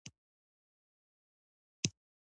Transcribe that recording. نورو به په دوه وخته ګوزاره کوله.